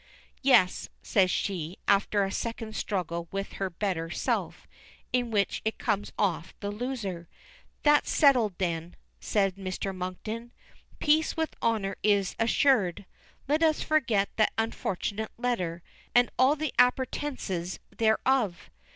"Yes," says she, after a second's struggle with her better self, in which it comes off the loser. "That's settled, then," says Mr. Monkton. "Peace with honor is assured. Let us forget that unfortunate letter, and all the appurtenances thereof."